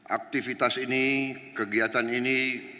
aktivitas ini kegiatan ini